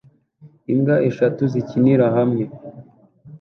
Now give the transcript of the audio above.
imbwa eshatu zikinira hamwe